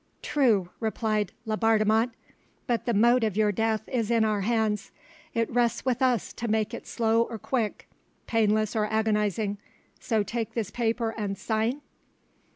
"True," replied Laubardemont; "but the mode of your death is in our hands: it rests with us to make it slow or quick, painless or agonising; so take this paper and sign?"